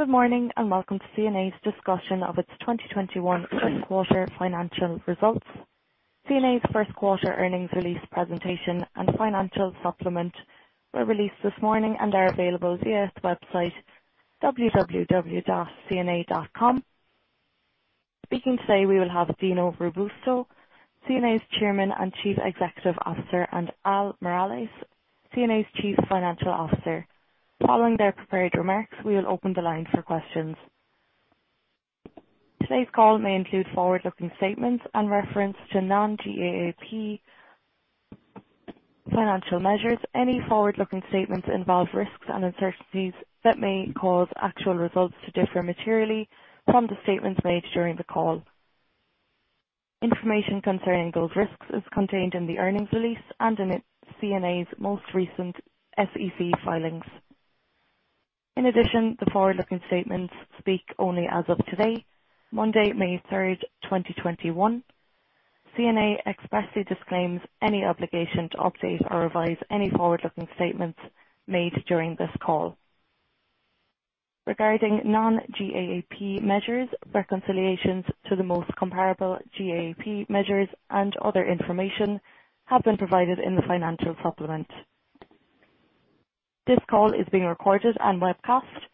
Good morning, and welcome to CNA's discussion of its 2021 first quarter financial results. CNA's first quarter earnings release presentation and financial supplement were released this morning and are available via the website www.cna.com. Speaking today, we will have Dino Robusto, CNA's Chairman and Chief Executive Officer, and Al Miralles, CNA's Chief Financial Officer. Following their prepared remarks, we will open the line for questions. Today's call may include forward-looking statements and reference to non-GAAP financial measures. Any forward-looking statements involve risks and uncertainties that may cause actual results to differ materially from the statements made during the call. Information concerning those risks is contained in the earnings release and in CNA's most recent SEC filings. The forward-looking statements speak only as of today, Monday, May 3rd, 2021. CNA expressly disclaims any obligation to update or revise any forward-looking statements made during this call. Regarding non-GAAP measures, reconciliations to the most comparable GAAP measures and other information have been provided in the financial supplement. This call is being recorded and webcast.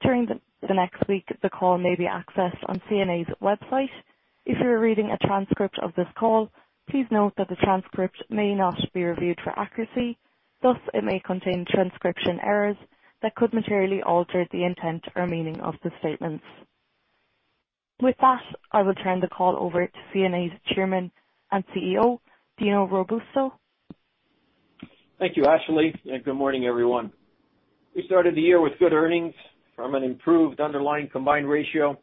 During the next week, the call may be accessed on CNA's website. If you are reading a transcript of this call, please note that the transcript may not be reviewed for accuracy, thus it may contain transcription errors that could materially alter the intent or meaning of the statements. With that, I will turn the call over to CNA's Chairman and CEO, Dino Robusto. Thank you, Ashley. Good morning, everyone. We started the year with good earnings from an improved underlying combined ratio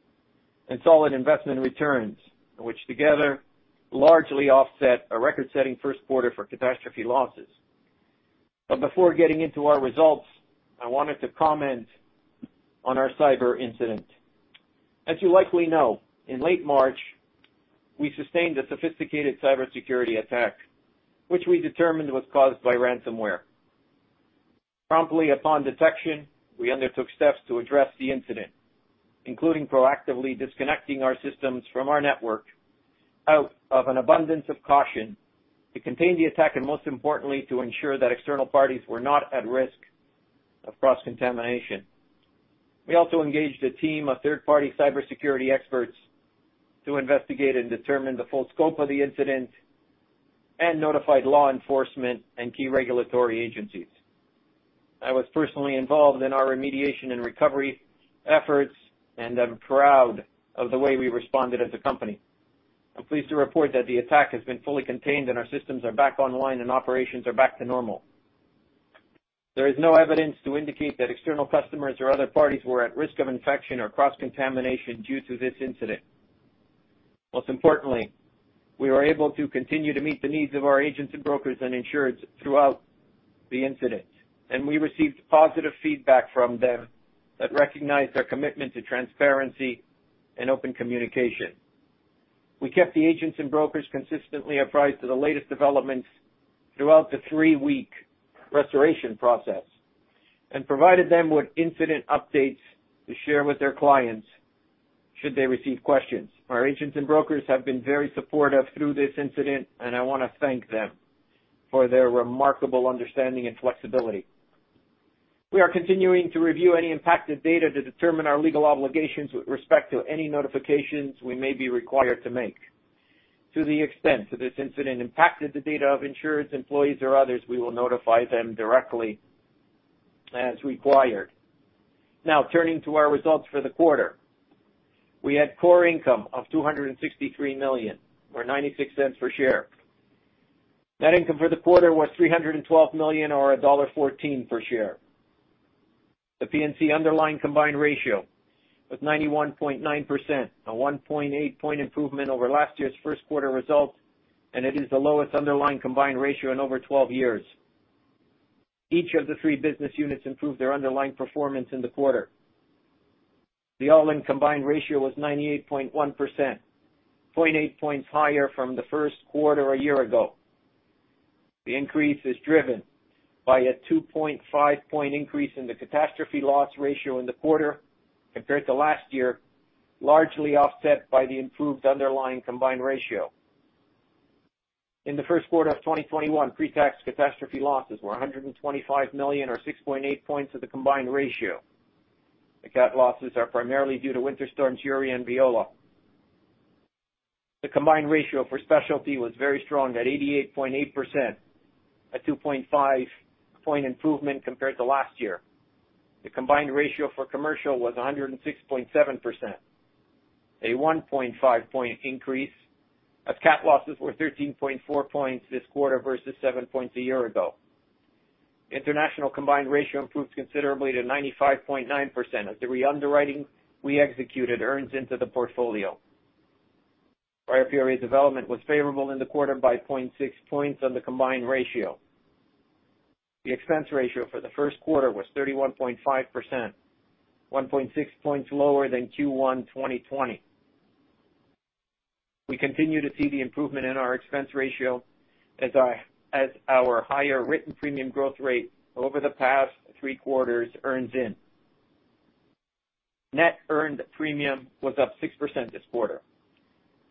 and solid investment returns, which together largely offset a record-setting first quarter for catastrophe losses. Before getting into our results, I wanted to comment on our cyber incident. As you likely know, in late March, we sustained a sophisticated cybersecurity attack, which we determined was caused by ransomware. Promptly upon detection, we undertook steps to address the incident, including proactively disconnecting our systems from our network out of an abundance of caution to contain the attack, and most importantly, to ensure that external parties were not at risk of cross-contamination. We also engaged a team of third-party cybersecurity experts to investigate and determine the full scope of the incident and notified law enforcement and key regulatory agencies. I was personally involved in our remediation and recovery efforts, and I'm proud of the way we responded as a company. I'm pleased to report that the attack has been fully contained and our systems are back online and operations are back to normal. There is no evidence to indicate that external customers or other parties were at risk of infection or cross-contamination due to this incident. Most importantly, we were able to continue to meet the needs of our agents and brokers and insureds throughout the incident, and we received positive feedback from them that recognized our commitment to transparency and open communication. We kept the agents and brokers consistently apprised of the latest developments throughout the three-week restoration process and provided them with incident updates to share with their clients should they receive questions. Our agents and brokers have been very supportive through this incident, and I want to thank them for their remarkable understanding and flexibility. We are continuing to review any impacted data to determine our legal obligations with respect to any notifications we may be required to make. To the extent that this incident impacted the data of insureds, employees, or others, we will notify them directly as required. Now, turning to our results for the quarter. We had core income of $263 million or $0.96 per share. Net income for the quarter was $312 million or $1.14 per share. The P&C underlying combined ratio was 91.9%, a 1.8 point improvement over last year's first quarter results, and it is the lowest underlying combined ratio in over 12 years. Each of the three business units improved their underlying performance in the quarter. The all-in combined ratio was 98.1%, 0.8 points higher from the first quarter a year ago. The increase is driven by a 2.5 point increase in the catastrophe loss ratio in the quarter compared to last year, largely offset by the improved underlying combined ratio. In the first quarter of 2021, pre-tax catastrophe losses were $125 million or 6.8 points of the combined ratio. The cat losses are primarily due to Winter Storm Uri and Winter Storm Viola. The combined ratio for specialty was very strong at 88.8%, a 2.5 point improvement compared to last year. The combined ratio for commercial was 106.7%, a 1.5 point increase as cat losses were 13.4 points this quarter versus seven points a year ago. International combined ratio improved considerably to 95.9% as the reunderwriting we executed earns into the portfolio. Prior period development was favorable in the quarter by 0.6 points on the combined ratio. The expense ratio for the first quarter was 31.5%, 1.6 points lower than Q1 2020. We continue to see the improvement in our expense ratio as our higher written premium growth rate over the past three quarters earns in. Net earned premium was up 6% this quarter.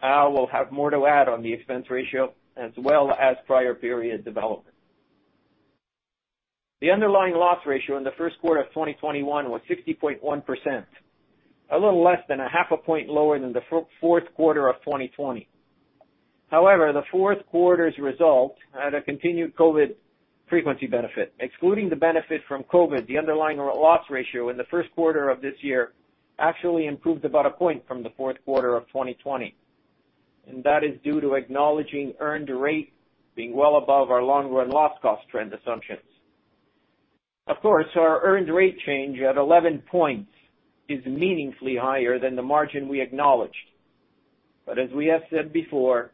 Al will have more to add on the expense ratio as well as prior period development. The underlying loss ratio in the first quarter of 2021 was 60.1%, a little less than a half a point lower than the fourth quarter of 2020. However, the fourth quarter's result had a continued COVID frequency benefit. Excluding the benefit from COVID, the underlying loss ratio in the first quarter of this year actually improved about a point from the fourth quarter of 2020, and that is due to acknowledging earned rate being well above our long-run loss cost trend assumptions. Of course, our earned rate change at 11 points is meaningfully higher than the margin we acknowledged. As we have said before,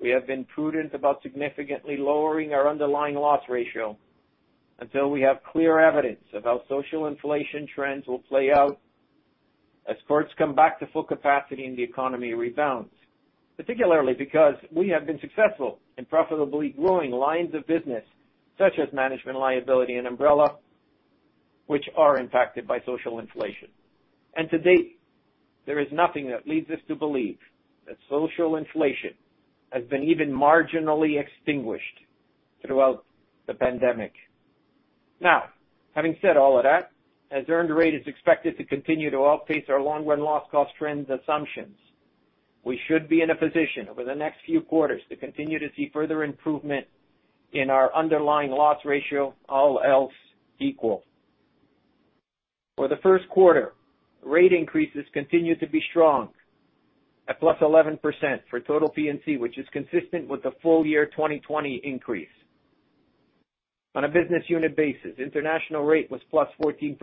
we have been prudent about significantly lowering our underlying loss ratio until we have clear evidence of how social inflation trends will play out as courts come back to full capacity and the economy rebounds, particularly because we have been successful in profitably growing lines of business such as management liability and umbrella, which are impacted by social inflation. To date, there is nothing that leads us to believe that social inflation has been even marginally extinguished throughout the pandemic. Having said all of that, as earned rate is expected to continue to outpace our long-run loss cost trends assumptions, we should be in a position over the next few quarters to continue to see further improvement in our underlying loss ratio, all else equal. For the first quarter, rate increases continued to be strong at +11% for total P&C, which is consistent with the full year 2020 increase. On a business unit basis, International rate was +14%,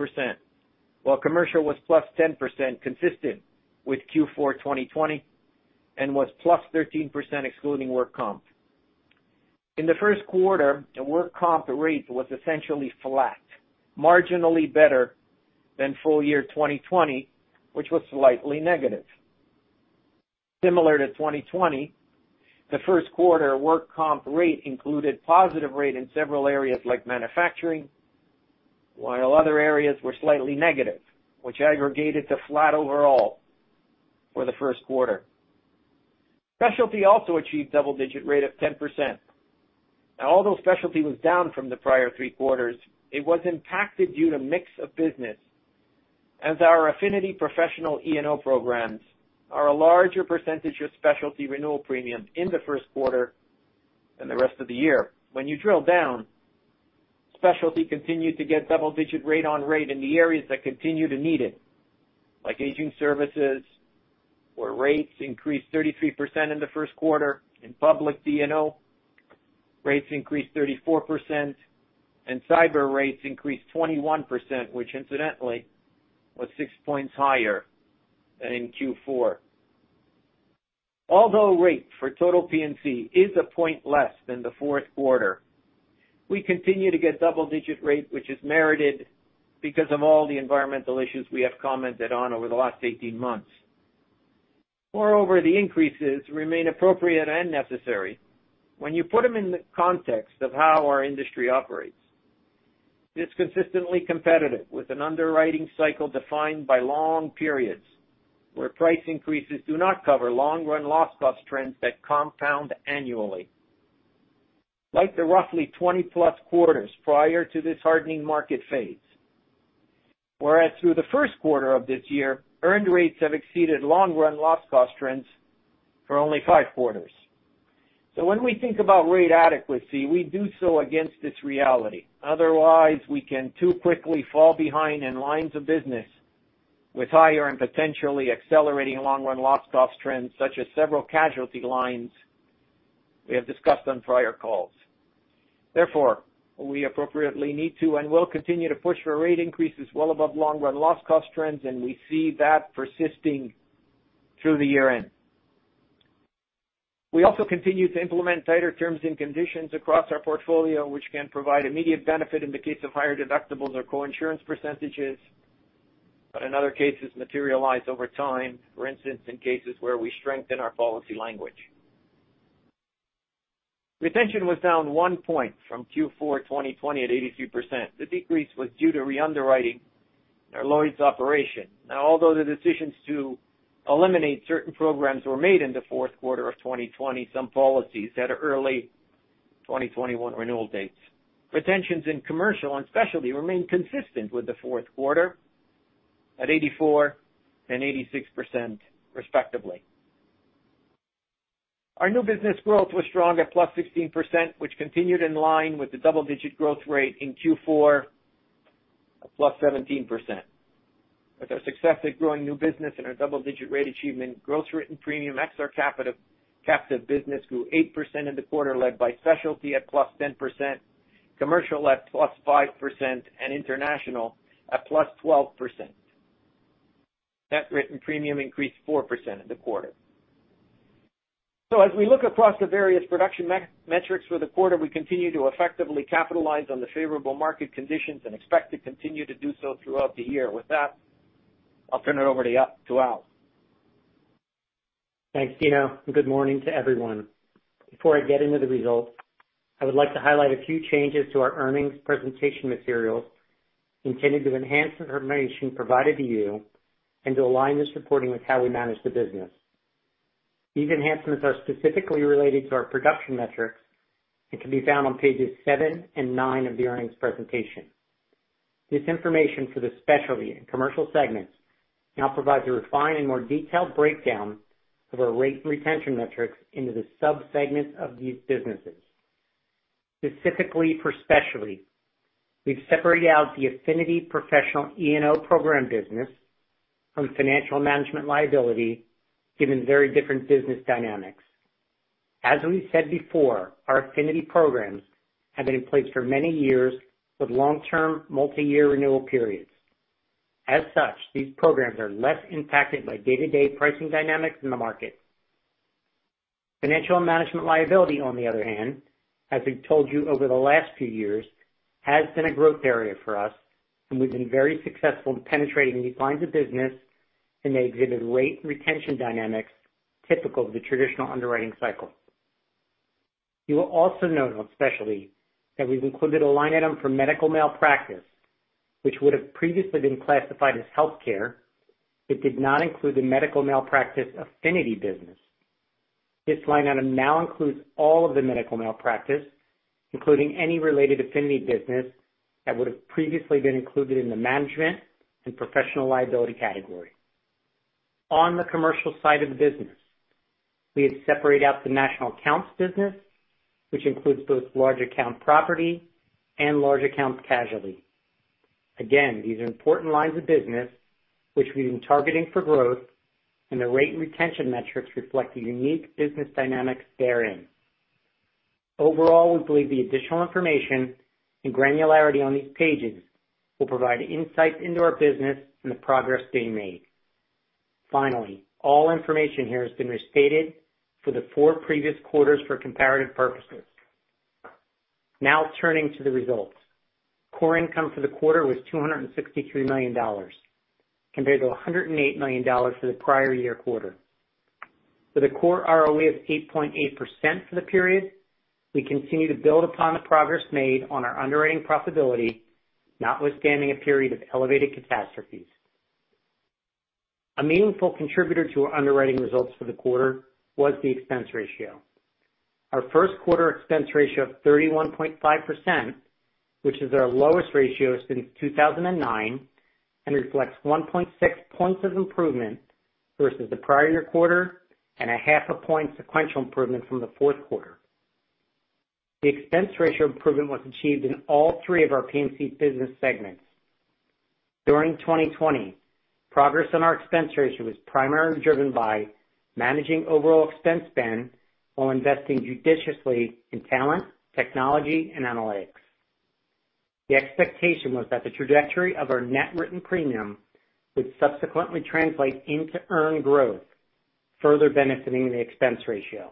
while Commercial was +10% consistent with Q4 2020 and was +13% excluding work comp. In the first quarter, the work comp rate was essentially flat, marginally better than full year 2020, which was slightly negative. Similar to 2020, the first quarter work comp rate included positive rate in several areas like manufacturing, while other areas were slightly negative, which aggregated to flat overall for the first quarter. Specialty also achieved double-digit rate of 10%. Although specialty was down from the prior three quarters, it was impacted due to mix of business as our affinity professional E&O programs are a larger % of specialty renewal premium in the first quarter than the rest of the year. When you drill down, specialty continued to get double-digit rate on rate in the areas that continue to need it, like aging services, where rates increased 33% in the first quarter, public D&O rates increased 34%, and cyber rates increased 21%, which incidentally was six points higher than in Q4. Although rate for total P&C is a point less than the fourth quarter, we continue to get double-digit rate, which is merited because of all the environmental issues we have commented on over the last 18 months. The increases remain appropriate and necessary when you put them in the context of how our industry operates. It's consistently competitive with an underwriting cycle defined by long periods where price increases do not cover long-run loss cost trends that compound annually. Like the roughly 20-plus quarters prior to this hardening market phase. Whereas through the first quarter of this year, earned rates have exceeded long-run loss cost trends for only five quarters. When we think about rate adequacy, we do so against this reality. Otherwise, we can too quickly fall behind in lines of business with higher and potentially accelerating long-run loss cost trends, such as several casualty lines we have discussed on prior calls. Therefore, we appropriately need to and will continue to push for rate increases well above long-run loss cost trends, and we see that persisting through the year-end. We also continue to implement tighter terms and conditions across our portfolio, which can provide immediate benefit in the case of higher deductibles or co-insurance percentages, but in other cases materialize over time, for instance, in cases where we strengthen our policy language. Retention was down one point from Q4 2020 at 83%. The decrease was due to re-underwriting our Lloyd's operation. Although the decisions to eliminate certain programs were made in the fourth quarter of 2020, some policies had early 2021 renewal dates. Retentions in commercial and specialty remain consistent with the fourth quarter at 84% and 86%, respectively. Our new business growth was strong at +16%, which continued in line with the double-digit growth rate in Q4, at +17%. With our success at growing new business and our double-digit rate achievement, gross written premium, ex our captive business, grew 8% in the quarter, led by specialty at +10%, commercial at +5%, and international at +12%. Net written premium increased 4% in the quarter. As we look across the various production metrics for the quarter, we continue to effectively capitalize on the favorable market conditions and expect to continue to do so throughout the year. With that. I'll turn it over to Al. Thanks, Dino. Good morning to everyone. Before I get into the results, I would like to highlight a few changes to our earnings presentation materials intended to enhance information provided to you and to align this reporting with how we manage the business. These enhancements are specifically related to our production metrics and can be found on pages seven and nine of the earnings presentation. This information for the Specialty and Commercial segments now provides a refined and more detailed breakdown of our rate and retention metrics into the sub-segments of these businesses. Specifically for Specialty, we've separated out the Affinity Professional E&O program business from financial management liability, given very different business dynamics. As we said before, our Affinity programs have been in place for many years with long-term multi-year renewal periods. As such, these programs are less impacted by day-to-day pricing dynamics in the market. Financial management liability, on the other hand, as we've told you over the last few years, has been a growth area for us, and we've been very successful in penetrating these lines of business, and they exhibit rate and retention dynamics typical of the traditional underwriting cycle. You will also note, on Specialty, that we've included a line item for medical malpractice, which would have previously been classified as healthcare but did not include the medical malpractice affinity business. This line item now includes all of the medical malpractice, including any related affinity business that would have previously been included in the management and professional liability category. On the Commercial side of the business, we have separated out the national accounts business, which includes both large account property and large account casualty. Again, these are important lines of business, which we've been targeting for growth, and the rate and retention metrics reflect the unique business dynamics therein. Overall, we believe the additional information and granularity on these pages will provide insight into our business and the progress being made. Finally, all information here has been restated for the four previous quarters for comparative purposes. Now turning to the results. Core income for the quarter was $263 million compared to $108 million for the prior year quarter. With a core ROE of 8.8% for the period, we continue to build upon the progress made on our underwriting profitability, notwithstanding a period of elevated catastrophes. A meaningful contributor to our underwriting results for the quarter was the expense ratio. Our first quarter expense ratio of 31.5%, which is our lowest ratio since 2009, and reflects 1.6 points of improvement versus the prior year quarter and a half a point sequential improvement from the fourth quarter. The expense ratio improvement was achieved in all three of our P&C business segments. During 2020, progress on our expense ratio was primarily driven by managing overall expense spend while investing judiciously in talent, technology, and analytics. The expectation was that the trajectory of our net written premium would subsequently translate into earned growth, further benefiting the expense ratio.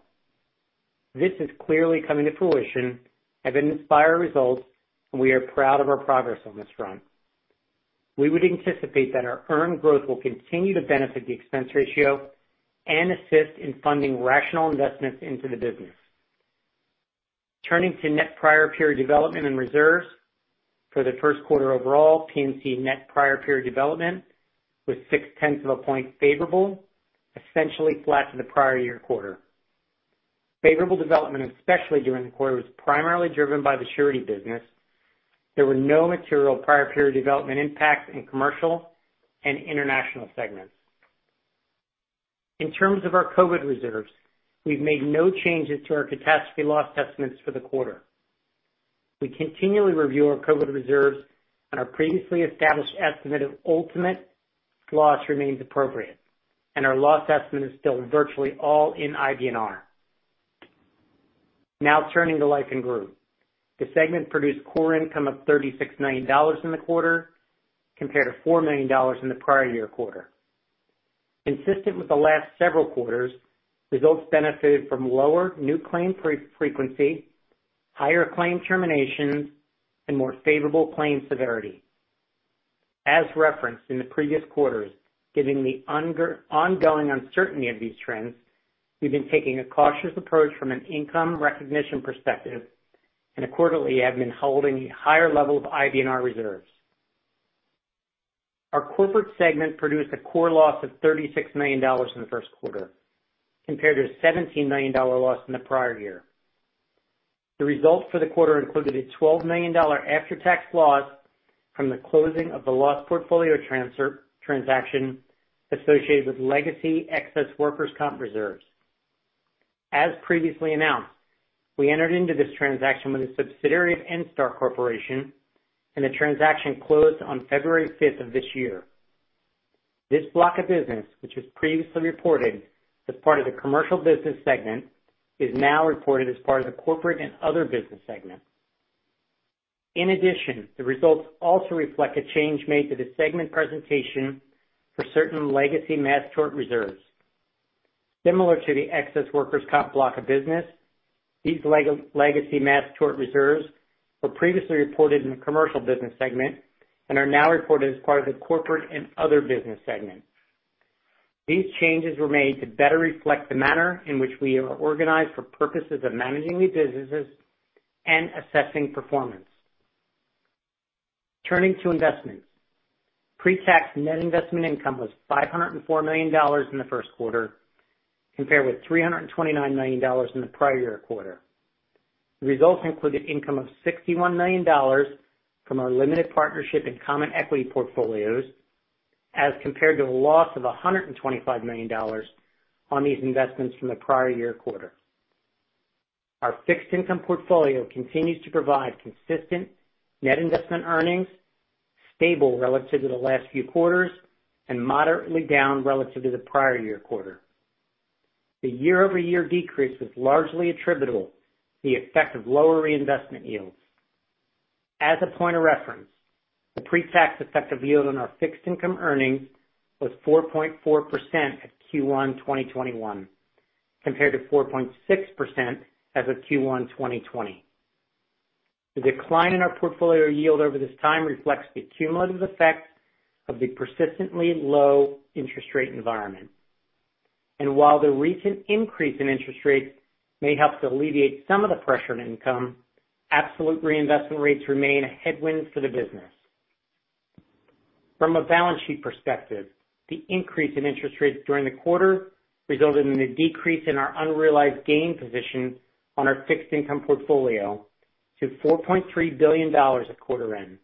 This is clearly coming to fruition, have inspired results, and we are proud of our progress on this front. We would anticipate that our earned growth will continue to benefit the expense ratio and assist in funding rational investments into the business. Turning to net prior period development and reserves. For the first quarter overall, P&C net prior period development was six-tenths of a point favorable, essentially flat to the prior year quarter. Favorable development, in Specialty during the quarter, was primarily driven by the surety business. There were no material prior period development impacts in commercial and international segments. In terms of our COVID reserves, we've made no changes to our catastrophe loss estimates for the quarter. We continually review our COVID reserves, and our previously established estimate of ultimate loss remains appropriate, and our loss estimate is still virtually all in IBNR. Now turning to Life and Group. The segment produced core income of $36 million in the quarter, compared to $4 million in the prior year quarter. Consistent with the last several quarters, results benefited from lower new claim frequency, higher claim terminations, and more favorable claim severity. As referenced in the previous quarters, given the ongoing uncertainty of these trends, we've been taking a cautious approach from an income recognition perspective and accordingly have been holding higher levels of IBNR reserves. Our Corporate segment produced a core loss of $36 million in the first quarter, compared to a $17 million loss in the prior year. The results for the quarter included a $12 million after-tax loss from the closing of the loss portfolio transaction associated with legacy excess workers' comp reserves. As previously announced, we entered into this transaction with a subsidiary of Enstar Group, and the transaction closed on February 5th of this year. This block of business, which was previously reported as part of the Commercial business segment, is now reported as part of the Corporate and Other business segment. In addition, the results also reflect a change made to the segment presentation for certain legacy mass tort reserves. Similar to the excess workers' comp block of business, these legacy mass tort reserves were previously reported in the commercial business segment and are now reported as part of the corporate and other business segment. These changes were made to better reflect the manner in which we are organized for purposes of managing these businesses and assessing performance. Turning to investments. Pre-tax net investment income was $504 million in the first quarter compared with $329 million in the prior year quarter. The results include an income of $61 million from our limited partnership and common equity portfolios as compared to a loss of $125 million on these investments from the prior year quarter. Our fixed income portfolio continues to provide consistent net investment earnings, stable relative to the last few quarters, and moderately down relative to the prior year quarter. The year-over-year decrease was largely attributable to the effect of lower reinvestment yields. As a point of reference, the pre-tax effective yield on our fixed income earnings was 4.4% at Q1 2021, compared to 4.6% as of Q1 2020. The decline in our portfolio yield over this time reflects the cumulative effect of the persistently low interest rate environment. While the recent increase in interest rates may help to alleviate some of the pressure on income, absolute reinvestment rates remain a headwind for the business. From a balance sheet perspective, the increase in interest rates during the quarter resulted in a decrease in our unrealized gain position on our fixed income portfolio to $4.3 billion at quarter end,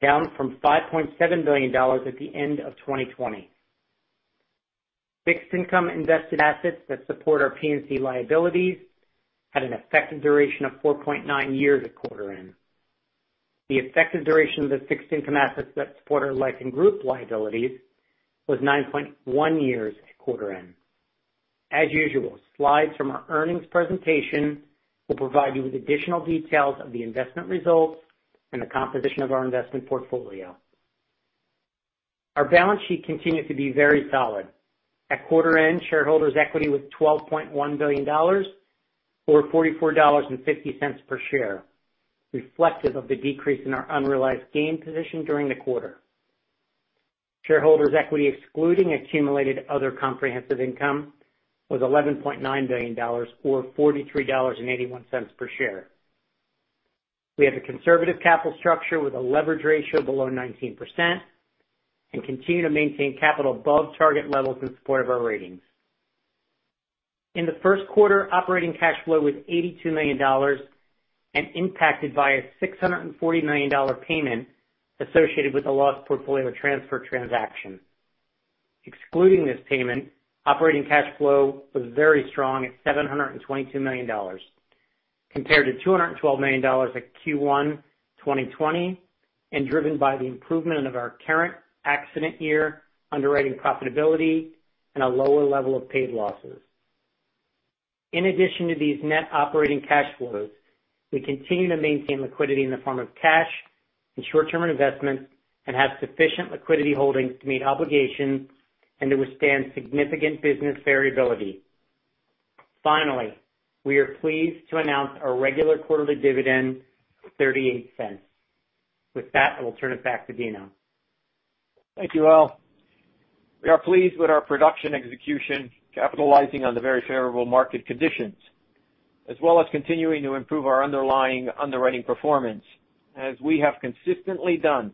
down from $5.7 billion at the end of 2020. Fixed income invested assets that support our P&C liabilities had an effective duration of 4.9 years at quarter end. The effective duration of the fixed income assets that support our life and group liabilities was 9.1 years at quarter end. As usual, slides from our earnings presentation will provide you with additional details of the investment results and the composition of our investment portfolio. Our balance sheet continues to be very solid. At quarter end, shareholders' equity was $12.1 billion, or $44.50 per share, reflective of the decrease in our unrealized gain position during the quarter. Shareholders' equity excluding accumulated other comprehensive income was $11.9 billion, or $43.81 per share. We have a conservative capital structure with a leverage ratio below 19% and continue to maintain capital above target levels in support of our ratings. In the first quarter, operating cash flow was $82 million and impacted by a $640 million payment associated with the loss portfolio transfer transaction. Excluding this payment, operating cash flow was very strong at $722 million compared to $212 million at Q1 2020, and driven by the improvement of our current accident year underwriting profitability and a lower level of paid losses. In addition to these net operating cash flows, we continue to maintain liquidity in the form of cash and short-term investments and have sufficient liquidity holdings to meet obligations and to withstand significant business variability. Finally, we are pleased to announce our regular quarterly dividend of $0.38. With that, I will turn it back to Dino. Thank you, Al. We are pleased with our production execution, capitalizing on the very favorable market conditions, as well as continuing to improve our underlying underwriting performance, as we have consistently done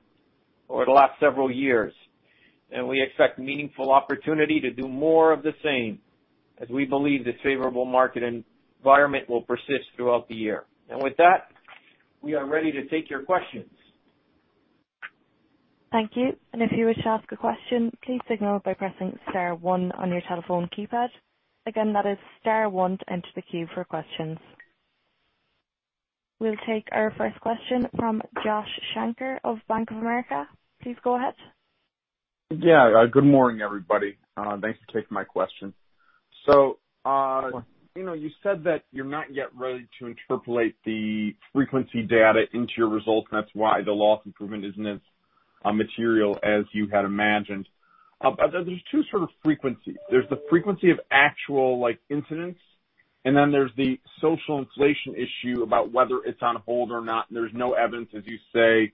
over the last several years. We expect meaningful opportunity to do more of the same as we believe this favorable market environment will persist throughout the year. With that, we are ready to take your questions. Thank you. If you wish to ask a question, please signal by pressing star one on your telephone keypad. Again, that is star one to enter the queue for questions. We'll take our first question from Josh Shanker of Bank of America. Please go ahead. Yeah. Good morning, everybody. Thanks for taking my question. You said that you're not yet ready to interpolate the frequency data into your results, and that's why the loss improvement isn't as material as you had imagined. There's two sort of frequencies. There's the frequency of actual incidents, and then there's the social inflation issue about whether it's on hold or not, and there's no evidence, as you say,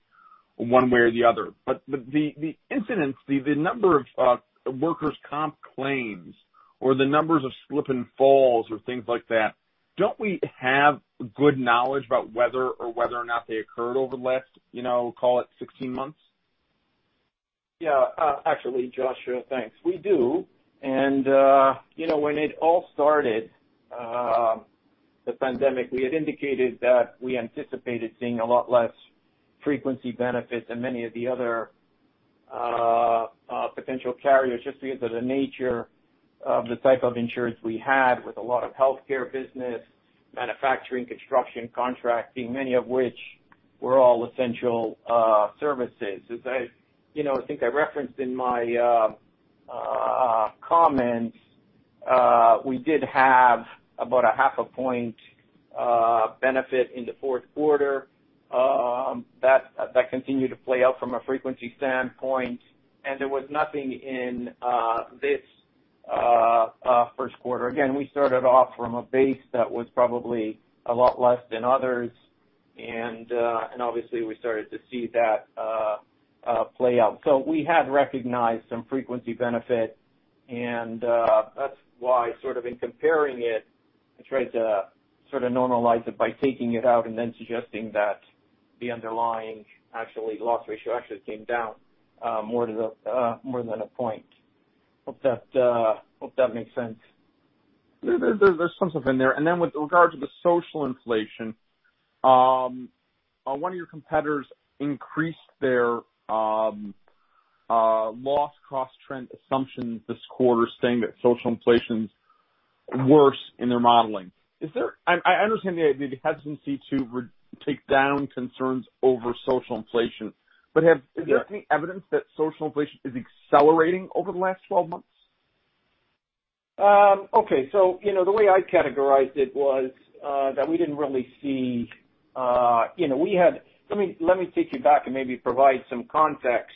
one way or the other. The incidents, the number of workers' comp claims or the numbers of slip and falls or things like that, don't we have good knowledge about whether or not they occurred over the last, call it 16 months? Yeah. Actually, Josh Shanker, thanks. We do. When it all started, the pandemic, we had indicated that we anticipated seeing a lot less frequency benefits than many of the other potential carriers, just because of the nature of the type of insurance we had with a lot of healthcare business, manufacturing, construction, contracting, many of which were all essential services. I think I referenced in my comments, we did have about a half a point benefit in the fourth quarter, that continued to play out from a frequency standpoint, and there was nothing in this first quarter. Again, we started off from a base that was probably a lot less than others, and obviously we started to see that play out. We had recognized some frequency benefit, and that's why in comparing it, I tried to normalize it by taking it out and then suggesting that the underlying loss ratio actually came down more than a point. Hope that makes sense. There's some stuff in there. With regards to the social inflation, one of your competitors increased their loss cost trend assumptions this quarter, saying that social inflation's worse in their modeling. I understand the hesitancy to take down concerns over social inflation, but is there any evidence that social inflation is accelerating over the last 12 months? Okay. Let me take you back and maybe provide some context.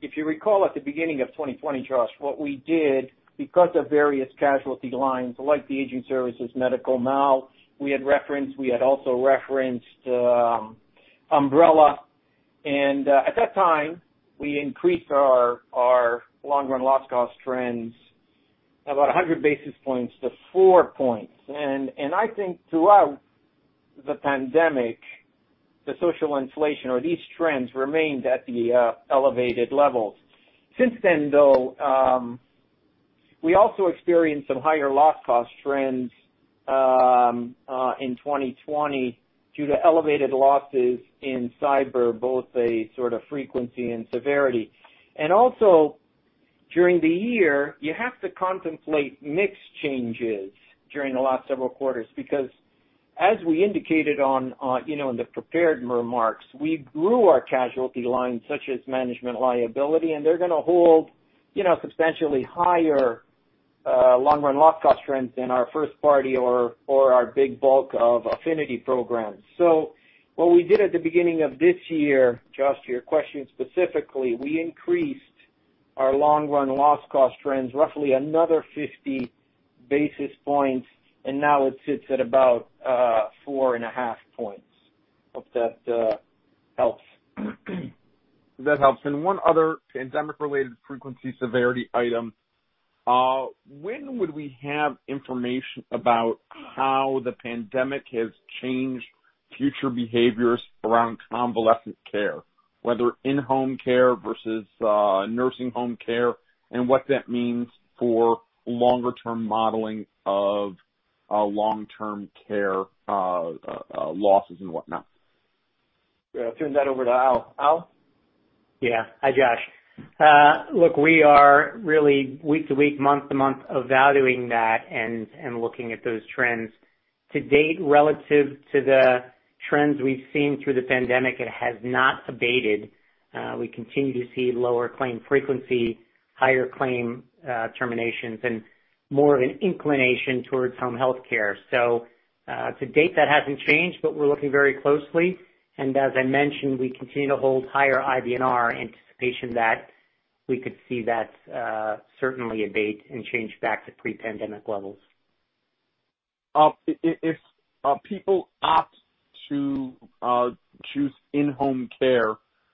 If you recall, at the beginning of 2020, Josh, what we did, because of various casualty lines, like the aging services medical mal we had referenced, we had also referenced umbrella. At that time, we increased our long-run loss cost trends about 100 basis points to four points. I think throughout the pandemic, the social inflation or these trends remained at the elevated levels. Since then, though, we also experienced some higher loss cost trends in 2020 due to elevated losses in cyber, both a sort of frequency and severity. Also, during the year, you have to contemplate mix changes during the last several quarters, because as we indicated in the prepared remarks, we grew our casualty lines such as management liability, and they're going to hold substantially higher long-run loss cost trends than our first party or our big bulk of affinity programs. What we did at the beginning of this year, Josh, to your question specifically, we increased our long-run loss cost trends roughly another 50 basis points, and now it sits at about 4.5 points. Hope that helps. That helps. One other pandemic-related frequency severity item. When would we have information about how the pandemic has changed future behaviors around convalescent care, whether in-home care versus nursing home care, and what that means for longer-term modeling of long-term care losses and whatnot? I'll turn that over to Al. Al? Yeah. Hi, Josh Shanker. Look, we are really week to week, month to month evaluating that and looking at those trends. To date, relative to the trends we've seen through the pandemic, it has not abated. We continue to see lower claim frequency, higher claim terminations, and more of an inclination towards home health care. To date, that hasn't changed, but we're looking very closely. As I mentioned, we continue to hold higher IBNR in anticipation that we could see that certainly abate and change back to pre-pandemic levels. If people opt to choose in-home care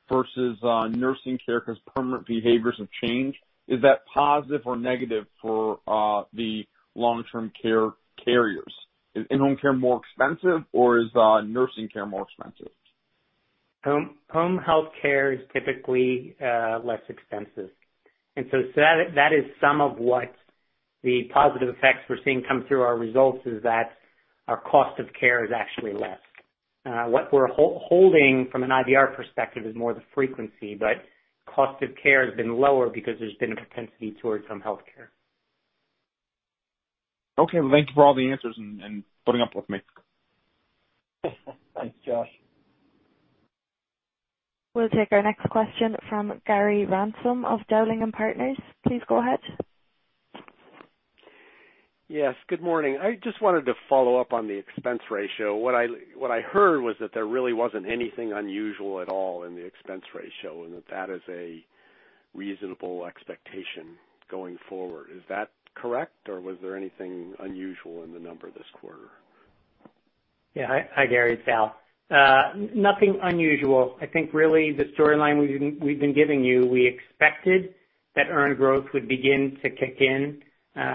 versus nursing care because permanent behaviors have changed, is that positive or negative for the long-term care carriers? Is in-home care more expensive, or is nursing care more expensive? Home health care is typically less expensive. That is some of what the positive effects we're seeing come through our results is that our cost of care is actually less. What we're holding from an IBNR perspective is more the frequency, but cost of care has been lower because there's been a propensity towards home health care. Okay. Thank you for all the answers and putting up with me. Thanks, Josh. We'll take our next question from Gary Ransom of Dowling & Partners. Please go ahead. Yes, good morning. I just wanted to follow up on the expense ratio. What I heard was that there really wasn't anything unusual at all in the expense ratio, and that that is a reasonable expectation going forward. Is that correct, or was there anything unusual in the number this quarter? Yeah. Hi, Gary. It's Al. Nothing unusual. I think really the storyline we've been giving you, we expected that earned growth would begin to kick in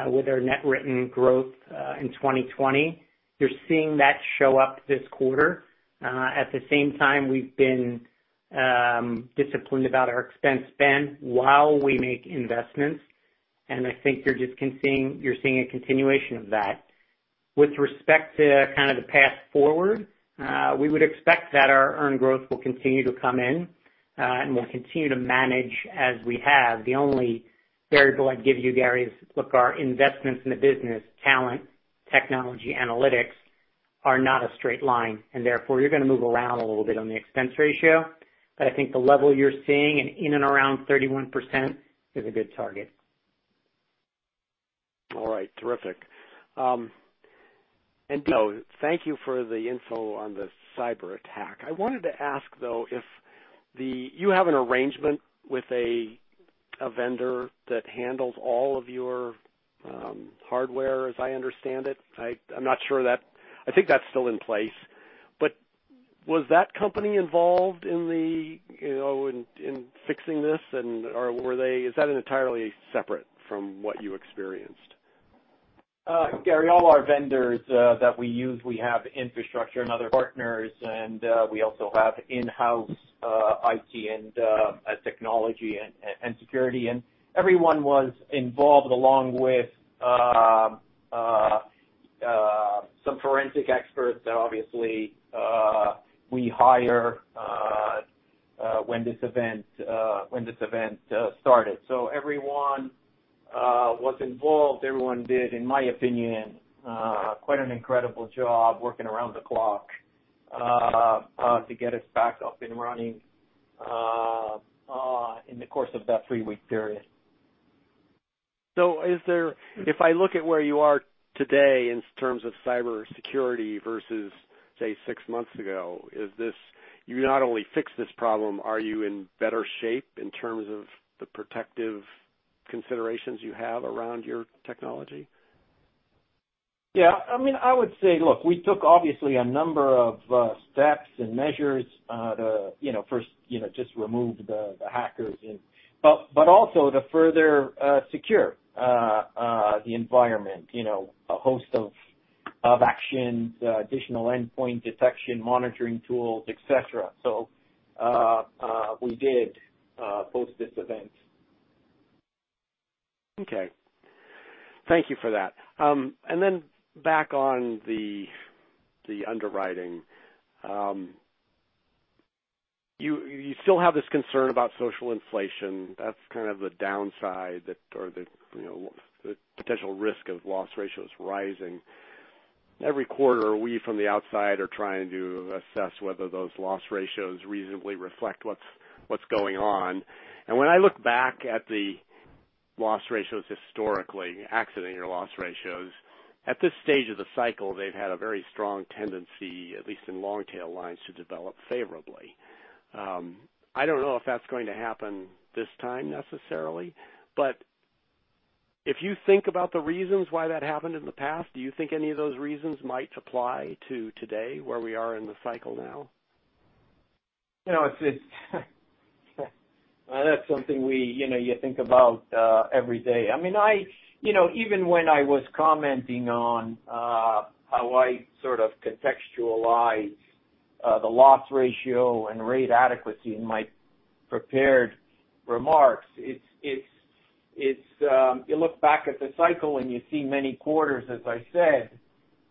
with our net written growth in 2020. You're seeing that show up this quarter. At the same time, we've been disciplined about our expense spend while we make investments, and I think you're seeing a continuation of that. With respect to the path forward, we would expect that our earned growth will continue to come in, and we'll continue to manage as we have. The only variable I'd give you, Gary, is look, our investments in the business, talent, technology, analytics, are not a straight line, and therefore, you're going to move around a little bit on the expense ratio. I think the level you're seeing in and around 31% is a good target. All right. Terrific. Thank you for the info on the cyber attack. I wanted to ask, though, you have an arrangement with a vendor that handles all of your hardware, as I understand it. I'm not sure. I think that's still in place. Was that company involved in fixing this, or is that entirely separate from what you experienced? Gary, all our vendors that we use, we have infrastructure and other partners, and we also have in-house IT and technology and security. Everyone was involved along with some forensic experts that obviously we hire when this event started. Everyone was involved. Everyone did, in my opinion, quite an incredible job working around the clock to get us back up and running in the course of that three-week period. If I look at where you are today in terms of cybersecurity versus, say, six months ago, you not only fixed this problem, are you in better shape in terms of the protective considerations you have around your technology? Yeah. I would say, look, we took obviously a number of steps and measures to first just remove the hackers, but also to further secure the environment. A host of actions, additional endpoint detection, monitoring tools, et cetera. We did post this event. Okay. Thank you for that. Then back on the underwriting. You still have this concern about social inflation. That's kind of the downside or the potential risk of loss ratios rising. Every quarter, we from the outside are trying to assess whether those loss ratios reasonably reflect what's going on. When I look back at the loss ratios historically, accident year loss ratios, at this stage of the cycle, they've had a very strong tendency, at least in long-tail lines, to develop favorably. I don't know if that's going to happen this time necessarily, but if you think about the reasons why that happened in the past, do you think any of those reasons might apply to today, where we are in the cycle now? That's something you think about every day. Even when I was commenting on how I sort of contextualize the loss ratio and rate adequacy in my prepared remarks, you look back at the cycle and you see many quarters, as I said,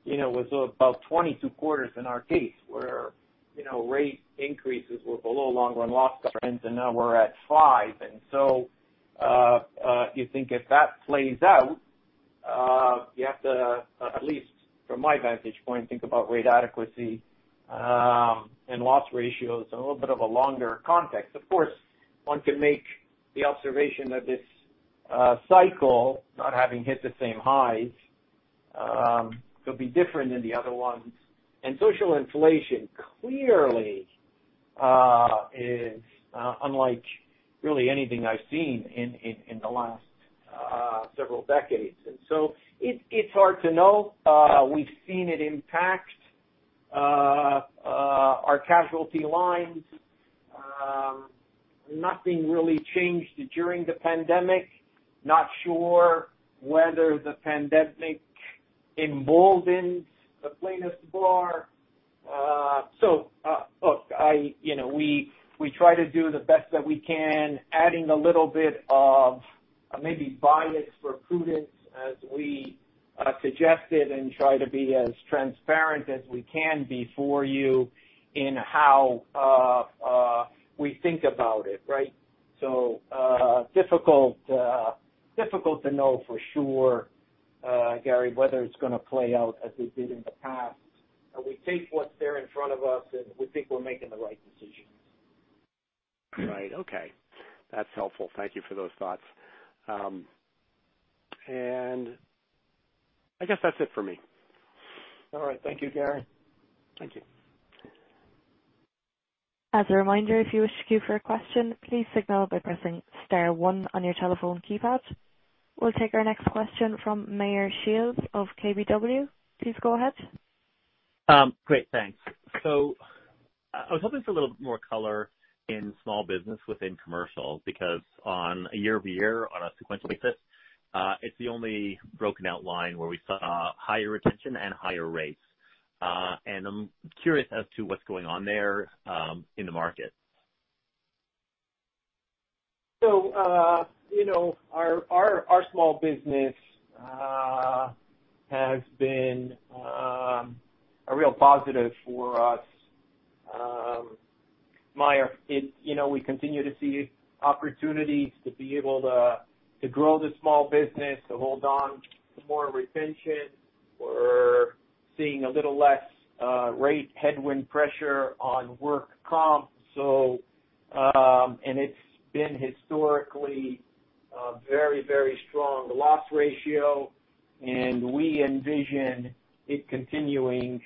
it was about 22 quarters in our case where rate increases were below long run loss trends, and now we're at five. So, you think if that plays out, you have to, at least from my vantage point, think about rate adequacy and loss ratios in a little bit of a longer context. Of course, one could make the observation that this cycle, not having hit the same highs, could be different than the other ones. Social inflation clearly is unlike really anything I've seen in the last several decades. So, it's hard to know. We've seen it impact our casualty lines. Nothing really changed during the pandemic. Not sure whether the pandemic emboldened the plaintiffs' bar. Look, we try to do the best that we can, adding a little bit of maybe bias for prudence as we suggested, and try to be as transparent as we can be for you in how we think about it, right? Difficult to know for sure, Gary, whether it's going to play out as it did in the past. We take what's there in front of us, and we think we're making the right decisions. Right. Okay. That's helpful. Thank you for those thoughts. I guess that's it for me. All right. Thank you, Gary. Thank you. As a reminder, if you wish to queue for a question, please signal by pressing star one on your telephone keypad. We'll take our next question from Meyer Shields of KBW. Please go ahead. Great. Thanks. I was hoping for a little more color in small business within commercial, because on a year-over-year, on a sequential basis, it's the only broken-out line where we saw higher retention and higher rates. I'm curious as to what's going on there in the market. Our small business has been a real positive for us, Meyer. We continue to see opportunities to be able to grow the small business, to hold on to more retention. Seeing a little less rate headwind pressure on work comp. It's been historically a very strong loss ratio, and we envision it continuing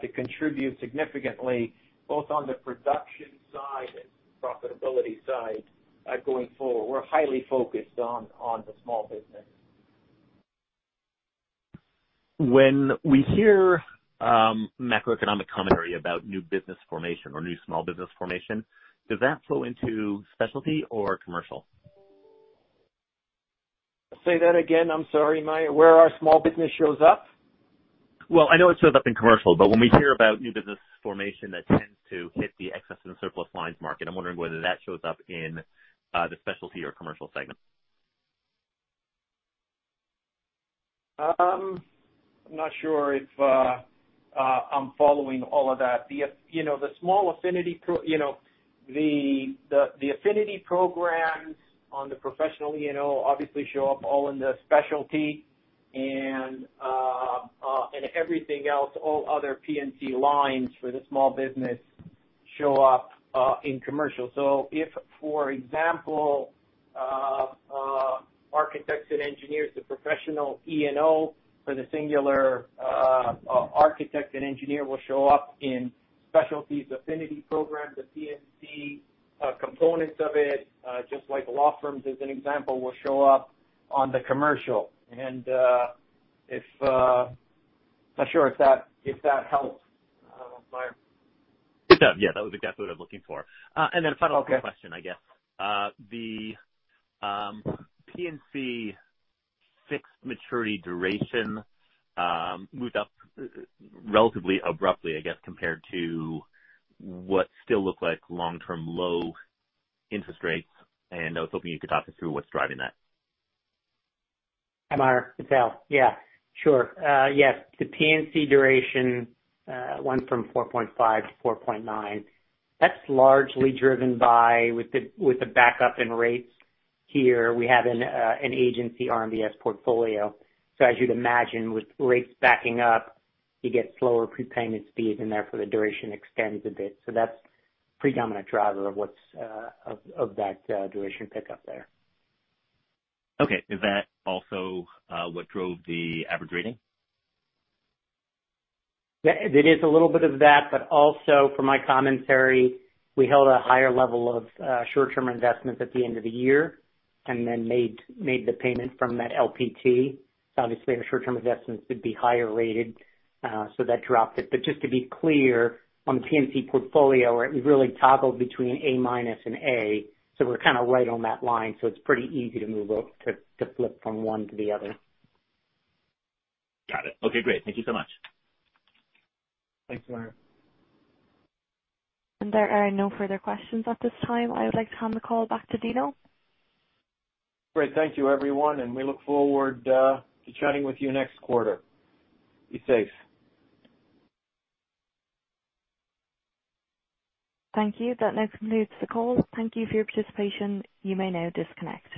to contribute significantly, both on the production side and profitability side going forward. We're highly focused on the small business. When we hear macroeconomic commentary about new business formation or new small business formation, does that flow into specialty or commercial? Say that again. I'm sorry, Meyer. Where our small business shows up? Well, I know it shows up in commercial, but when we hear about new business formation, that tends to hit the excess and surplus lines market. I'm wondering whether that shows up in the specialty or commercial segment. I'm not sure if I'm following all of that. The affinity programs on the professional E&O obviously show up all in the specialty, and everything else, all other P&C lines for the small business show up in commercial. If, for example, architects and engineers, the professional E&O for the singular architect and engineer will show up in specialties affinity program, the P&C components of it, just like law firms as an example, will show up on the commercial. I'm not sure if that helps, Meyer. Yeah, that was exactly what I'm looking for. A final question, I guess. Okay. The P&C fixed maturity duration moved up relatively abruptly, I guess, compared to what still look like long-term low interest rates, and I was hoping you could talk us through what's driving that. Hi, Meyer, it's Al. Sure. Yes, the P&C duration went from 4.5 to 4.9. That's largely driven by, with the backup in rates here. We have an agency RMBS portfolio. As you'd imagine, with rates backing up, you get slower prepayment speeds, and therefore, the duration extends a bit. That's predominant driver of that duration pickup there. Okay. Is that also what drove the average rating? It is a little bit of that, but also from my commentary, we held a higher level of short-term investments at the end of the year and then made the payment from that LPT. Obviously, our short-term investments would be higher rated, so that dropped it. Just to be clear, on the P&C portfolio, it really toggled between A minus and A, so we're kind of right on that line. It's pretty easy to move up, to flip from one to the other. Got it. Okay, great. Thank you so much. Thanks, Meyer. There are no further questions at this time. I would like to hand the call back to Dino. Great. Thank you, everyone, and we look forward to chatting with you next quarter. Be safe. Thank you. That now concludes the call. Thank you for your participation. You may now disconnect.